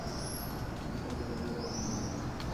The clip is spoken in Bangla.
বুঝতে না চিনতে পেরেছি তোমাকে।